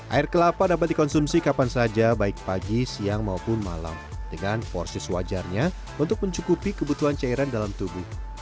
air kelapa dapat dikonsumsi kapan saja baik pagi siang maupun malam dengan porsis wajarnya untuk mencukupi kebutuhan cairan dalam tubuh